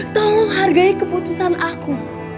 tolong hargai keputusan aku